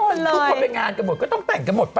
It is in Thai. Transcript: ทุกคนไปงานกันหมดก็ต้องแต่งกันหมดไป